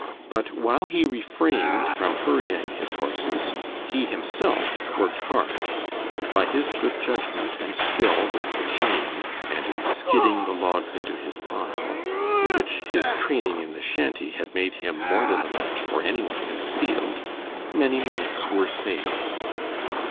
But while he refrained from hurrying his horses, he himself worked hard, and by his good judgment and skill with the chain, and in skidding the logs into his pile, in which his training in the shanty had made him more than a match for any one in the field, many minutes were saved.